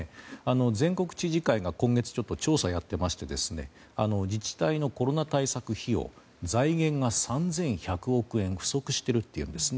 全国知事会が今月調査をやっていまして自治体のコロナ対策費用財源が３１００億円不足してるというんですね。